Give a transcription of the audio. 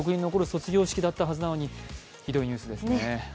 記憶に残る卒業式だったはずなのにひどいニュースですね。